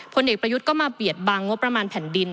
ผลเอกประยุทธ์ก็มาเบียดบางงบประมาณแผ่นดิน